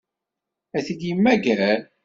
Ad t-id-yemmager?